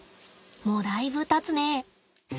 もうだいぶたつね。